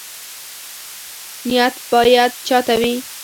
نیت باید چا ته وي؟